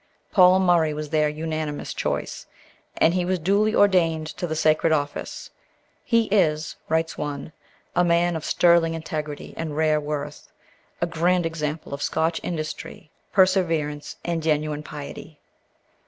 Paul Murray was their unanimous choice, and he was duly ordained to the sacred office. "He is," writes one, "a man of sterling integrity and rare worth; a grand example of Scotch industry, perseverance and genuine piety."